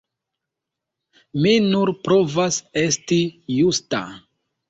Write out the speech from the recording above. Mi nur provas esti justa!